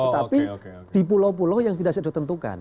tapi di pulau pulau yang kita sudah tentukan